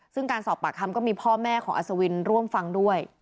ซึ่งการสอบปากคำก็มีพ่อแม่ของอัศวินร่วมฟังด้วย